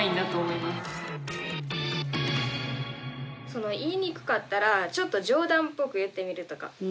その言いにくかったらちょっと冗談っぽく言ってみるとか。